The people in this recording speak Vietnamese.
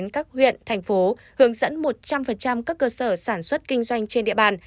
các huyện thành phố hướng dẫn một trăm linh các cơ sở sản xuất kinh doanh trên địa bàn